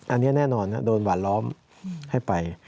อันนี้แน่นอนโดนหวานล้อมให้ไป